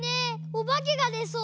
おばけがでそう。